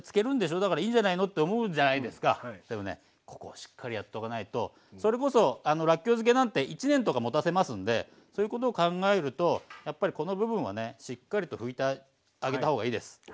ここをしっかりやっとかないとそれこそらっきょう漬けなんて一年とかもたせますんでそういうことを考えるとやっぱりこの部分はねしっかりと拭いてあげた方がいいです。